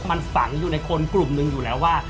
มันฝังอยู่ในคนกลุ่มหนึ่งอยู่แล้วว่า